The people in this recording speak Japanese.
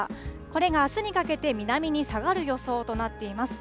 これがあすにかけて南に下がる予想となっています。